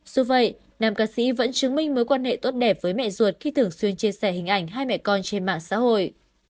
dù vậy nam ca sĩ vẫn chứng minh mối quan hệ tốt đẹp với mẹ ruột khi thường xuyên chia sẻ hình ảnh hai mẹ con trên mạng xã hội